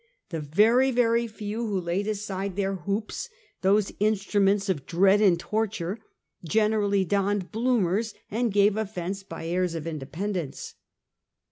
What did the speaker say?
The very, very few who laid aside their hoops, those instruments of dread and torture, generally donned bloomers, and gave offense by airs of independence.